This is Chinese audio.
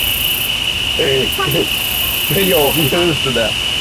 尿道交期间亦可能出现尿失禁和尿道永久性扩张的情况。